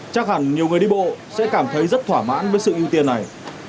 chắc hẳn nhiều người đi bộ sẽ cảm thấy rất thỏa mãn với sự ưu tiên này